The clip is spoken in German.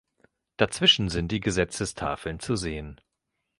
Dazwischen sind die Gesetzestafeln zu sehen.